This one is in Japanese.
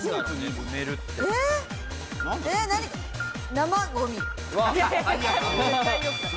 生ごみ。